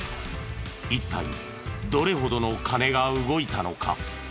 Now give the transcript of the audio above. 一体どれほどの金が動いたのか？